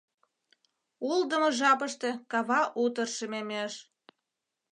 Улдымо жапыште кава утыр шемемеш.